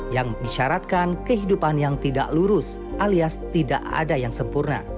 yang disyaratkan kehidupan yang tidak lurus alias tidak ada yang sempurna